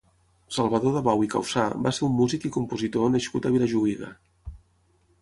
Salvador Dabau i Caussà va ser un músic i compositor nascut a Vilajuïga.